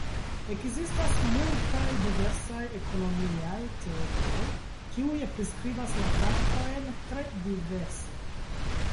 Ekzistas multaj diversaj ekonomiaj teorioj, kiuj priskribas la faktojn tre diverse.